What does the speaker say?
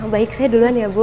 baik saya duluan ya bu